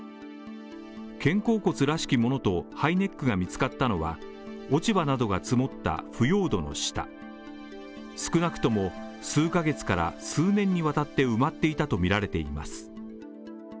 肩甲骨らしきものとハイネックが見つかったのは、落ち葉などが積もった腐葉土の下少なくとも数ヶ月から数年にわたって埋まっていたとみられています。